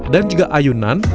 dan juga ayunan